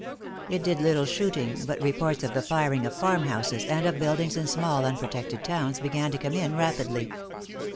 It did little shooting, but reports of the firing of farmhouses and of buildings in small, unprotected towns began to come in rapidly.